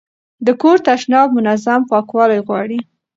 د کور تشناب منظم پاکوالی غواړي.